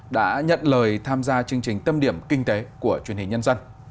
đã nhận lời tham gia chương trình tâm điểm kinh tế của truyền hình nhân dân